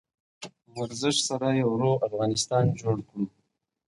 په ورزش سره یو روغ افغانستان جوړ کړو.